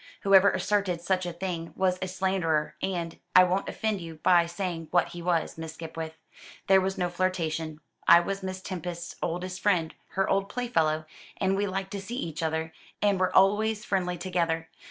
Whoever asserted such a thing was a slanderer and I won't offend you by saying what he was, Miss Skipwith. There was no flirtation. I was Miss Tempest's oldest friend her old playfellow, and we liked to see each other, and were always friendly together.